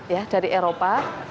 ya dari eropa